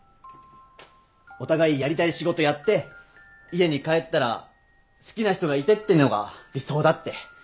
お互いやりたい仕事やって家に帰ったら好きな人がいてってのが理想だって。